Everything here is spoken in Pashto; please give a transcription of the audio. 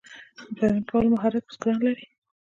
د پیوند کولو مهارت بزګران لري.